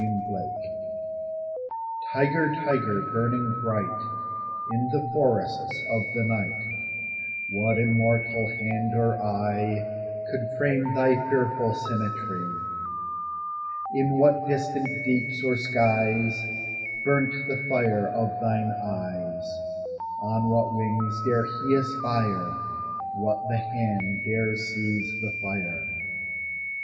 THE TIGER Tiger, tiger, burning bright In the forests of the night, What immortal hand or eye Could frame thy fearful symmetry? In what distant deeps or skies Burnt the fire of thine eyes? On what wings dare he aspire? What the hand dare seize the fire?